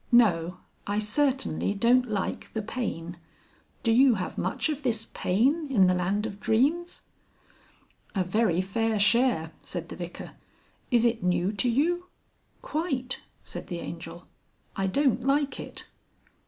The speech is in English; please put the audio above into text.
No, I certainly don't like the Pain. Do you have much of this Pain in the Land of Dreams?" "A very fair share," said the Vicar. "Is it new to you?" "Quite," said the Angel. "I don't like it."